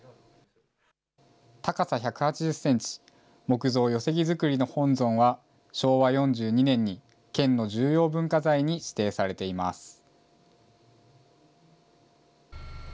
高さ１８０センチ、木造寄木造りの本尊は、昭和４２年に県の重要文化財に指定されています。